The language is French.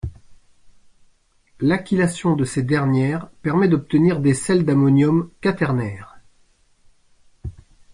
L'alkylation de ces dernières permet d'obtenir des sels d'ammonium quaternaire.